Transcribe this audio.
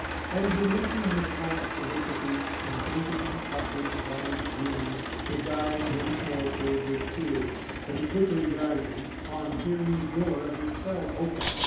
And remembering his past felicity, and thinking of his vanished dreams, his eyes once more filled with tears. But he quickly dried them on hearing the door of his cell open.